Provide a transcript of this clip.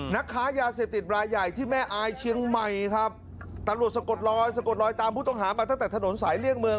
นักค้ายาเสพติดรายใหญ่ที่แม่อายเชียงใหม่ครับตำรวจสะกดลอยสะกดลอยตามผู้ต้องหามาตั้งแต่ถนนสายเลี่ยงเมือง